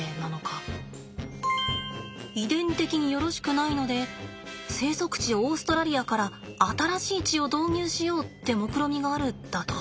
遺伝的によろしくないので生息地オーストラリアから新しい血を導入しようってもくろみがあるだと？